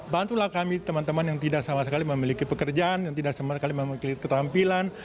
bantulah kami teman teman yang tidak sama sekali memiliki pekerjaan yang tidak sama sekali memiliki keterampilan